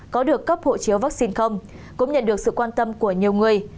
có được cấp hộ chiếu vaccine không cũng nhận được sự quan tâm của nhiều người